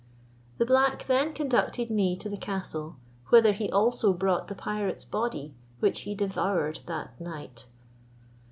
The black then conducted me to the castle, whither he also brought the pirate's body, which he devoured that night.